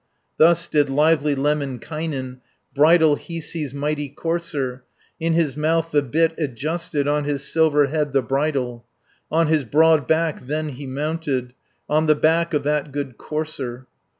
Thus did lively Lemminkainen Bridle Hiisi's mighty courser, 350 In his mouth the bit adjusted, On his silver head the bridle, On his broad back then he mounted, On the back of that good courser.